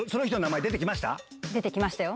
出てきましたよ。